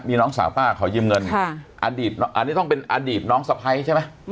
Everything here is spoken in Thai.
มีน้องสาวป้าขอยืมเงินอันนี้ต้องเป็นอดีตน้องสะพ้ายใช่ไหม